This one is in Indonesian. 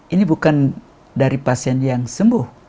ini bukan dari pasien yang sembuh